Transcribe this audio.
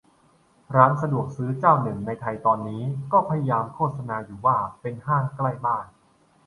ร้านสะดวกซื้อเจ้าหนึ่งในไทยตอนนี้ก็พยายามโฆษณาอยู่ ว่าเป็น "ห้างใกล้บ้าน"